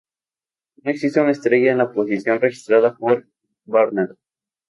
No existe una estrella en la posición registrada por Barnard.